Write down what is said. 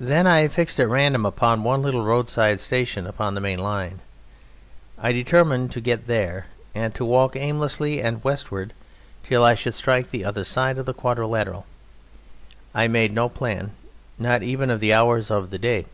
Then I fixed at random upon one little roadside station upon the main line; I determined to get out there and to walk aimlessly and westward until I should strike the other side of the quadrilateral. I made no plan, not even of the hours of the day.